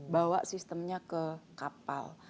bawa sistemnya ke kapal